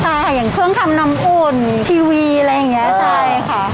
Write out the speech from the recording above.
ใช่ค่ะอย่างเครื่องทำน้ำอุ่นทีวีอะไรอย่างนี้ใช่ค่ะ